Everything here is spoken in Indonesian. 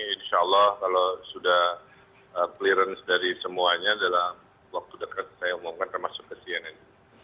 insya allah kalau sudah clearance dari semuanya dalam waktu dekat saya umumkan termasuk ke cnn